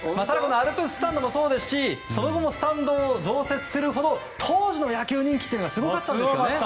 アルプススタンドもそうですしその後のスタンドを増設するほど当時の野球人気はすごかったんですね。